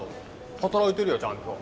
働いてるよちゃんと。